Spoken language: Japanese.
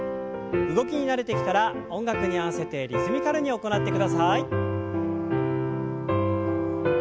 動きに慣れてきたら音楽に合わせてリズミカルに行ってください。